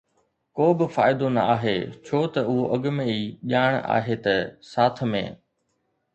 ڪو به فائدو نه آهي ڇو ته اهو اڳ ۾ ئي ڄاڻ آهي ته ساٿ ۾